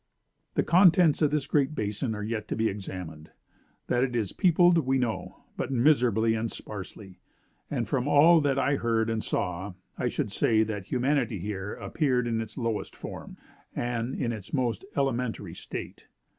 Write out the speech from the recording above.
"The contents of this Great Basin are yet to be examined. That it is peopled, we know; but miserably and sparsely. From all that I heard and saw, I should say that humanity here appeared in its lowest form, and in its most elementary state.